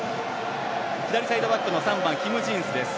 左サイドバックのキム・ジンスです。